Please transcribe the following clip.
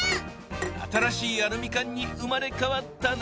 新しいアルミ缶に生まれ変わったね。